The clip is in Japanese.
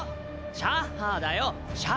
シャッハーだよ「シャ」。